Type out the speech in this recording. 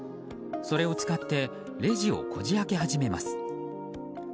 それを使ってレジをこじ開け始めます。